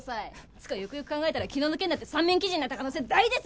つうかよくよく考えたら昨日の件だって三面記事になった可能性大ですよ。